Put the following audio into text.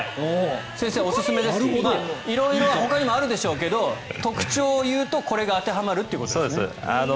先生色々ほかにもあるでしょうけど特徴を言うと、これが当てはまるということですね。